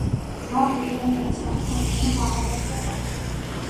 ჯვარი პირვანდელი სახით ამჟამად აღარ არსებობს.